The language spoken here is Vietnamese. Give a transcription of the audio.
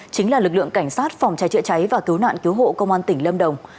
chính là lực lượng cảnh sát phòng cháy chữa cháy và cứu nạn cứu hộ công an tỉnh lâm đồng